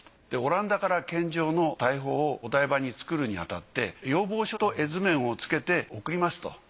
でオランダから献上の大砲をお台場に作るにあたって要望書と絵図面をつけて送りますと。